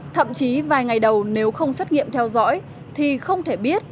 thậm chí vài ngày đầu nếu không xét nghiệm theo dõi thì không thể biết